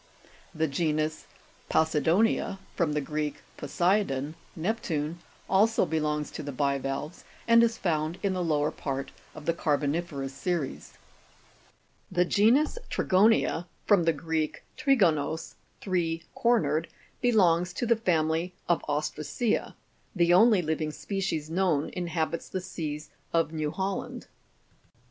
The genus Posido'nia, (Jig. 64), (from Greek, poseidon, Neptune), also belongs to bivalves, and is found in the lower part of thu carboni'ferous series. the the Fig 65. Trigo'nia vulga'ris. The genus Trigonia,(Jig.65 from the Greek, trigonos, three cornered), belongs to the family of ostracea ; the only living species known inhabits the seas of New Holland.